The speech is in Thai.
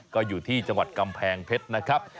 ก็อยู่ที่จังหวัดกำแพงเพชรนะครับ